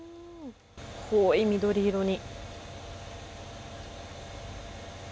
濃い緑色に。